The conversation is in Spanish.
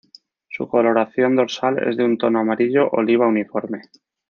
Su coloración dorsal es de un tono amarillo oliva uniforme.